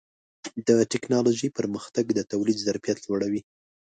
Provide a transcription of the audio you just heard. د ټکنالوجۍ پرمختګ د تولید ظرفیت لوړوي.